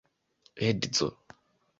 edzo